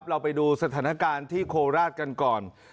เราไปดูสถานการณ์ที่โคราชกันก่อน